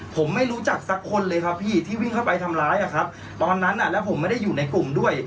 ผมไม่รู้จักสักคนเลยครับพี่ที่วิ่งเข้าไปทำร้ายอะครับตอนนั้นอ่ะแล้วผมไม่ได้อยู่ในกลุ่มด้วย